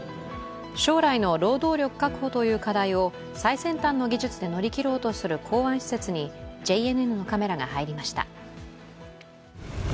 将来の労働力確保という課題を最先端の技術で乗り切ろうとする港湾施設にＪＮＮのカメラが入りました。